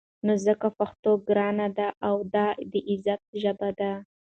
نو ځکه پښتو ګرانه ده او دا د عزت ژبه ده.